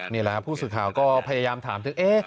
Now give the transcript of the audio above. นี่แหละผู้สื่อข่าวก็พยายามถามถึง